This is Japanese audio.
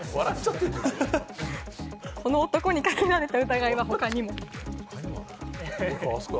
この男にかけられた疑いは他にも。